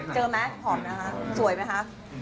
เจอยังไงผอมไหมฮะสวยไหมฮะ